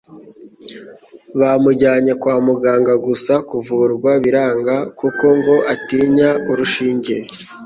Bamujyanye kwamuganga gusa kuvurwa biranga kuko ngo atinya urushinge